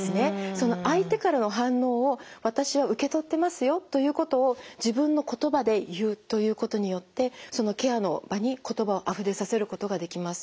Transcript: その相手からの反応を私は受け取ってますよということを自分の言葉で言うということによってそのケアの場に言葉をあふれさせることができます。